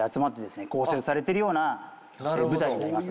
構成されてるような部隊になります。